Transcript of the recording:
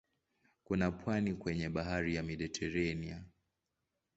Kuna pwani kwenye bahari ya Mediteranea.